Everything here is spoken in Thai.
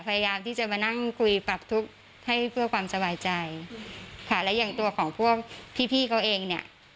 พยายามที่จะมานั่งคุยปรับทุกข์ให้เพื่อความสบายใจค่ะและอย่างตัวของพวกพี่พี่เขาเองเนี่ย